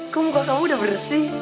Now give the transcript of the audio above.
kamu muka kamu udah bersih